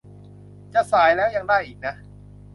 จะสายแล้ว ยัง ได้อีกนะ